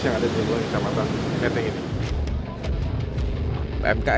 yang ada di tempat tempat pnks ini